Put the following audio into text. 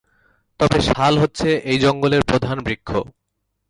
তবে শাল হচ্ছে এই জঙ্গলের প্রধান বৃক্ষ।